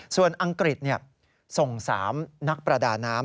ส่วนอังกฤษส่ง๓นักประดาน้ำ